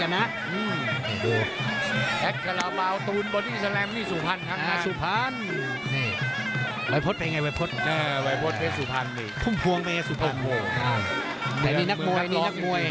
นี่หน้าก่อโมย